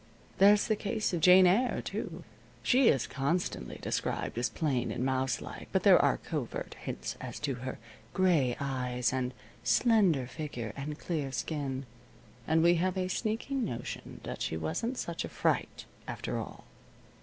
There's the case of jane Eyre, too. She is constantly described as plain and mouse like, but there are covert hints as to her gray eyes and slender figure and clear skin, and we have a sneaking notion that she wasn't such a fright after all.